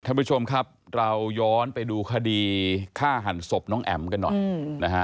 ท่านผู้ชมครับเราย้อนไปดูคดีฆ่าหันศพน้องแอ๋มกันหน่อยนะฮะ